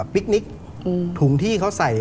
พลิกนิกถุงที่เขาใส่